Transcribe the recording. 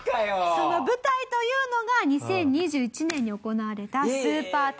その舞台というのが２０２１年に行われたスーパー耐久戦でございます。